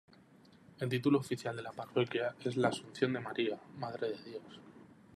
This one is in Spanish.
El título oficial de la parroquia es La Asunción de María, Madre de Dios.